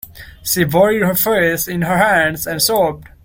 She buried her face in her hands and sobbed.